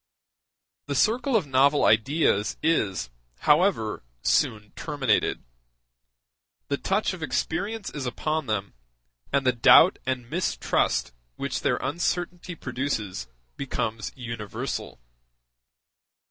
The circle of novel ideas is, however, soon terminated; the touch of experience is upon them, and the doubt and mistrust which their uncertainty produces become universal.